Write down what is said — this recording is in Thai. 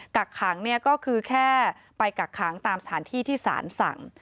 กักขังก็คือแค่ไปกักขังตามสถานที่ที่สารสั่ง